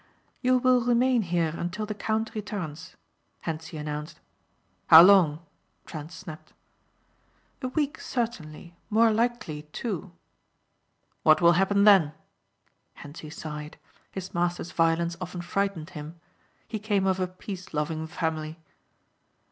"You will remain here until the count returns," Hentzi announced. "How long?" Trent snapped. "A week certainly; more likely two." "What will happen then?" Hentzi sighed. His master's violence often frightened him. He came of a peaceloving family.